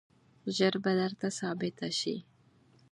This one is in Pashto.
ژر به درته ثابته شي.